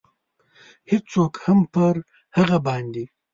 هېڅوک هم پر هغه باندې.